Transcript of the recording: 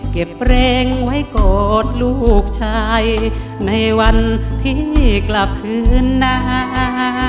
เก็บเพลงไว้กอดลูกชายในวันที่กลับคืนหน้า